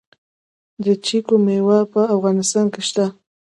د چیکو میوه په افغانستان کې شته؟